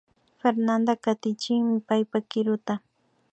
Fernanda katichinmi paypa kiruta